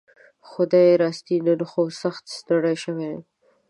خدايي راستي نن خو سخت ستړى شوي يم